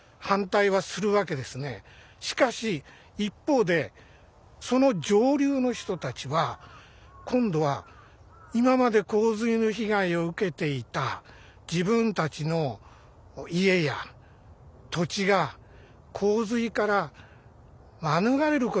しかし一方でその上流の人たちは今度は今まで洪水の被害を受けていた自分たちの家や土地が洪水から免れることができる。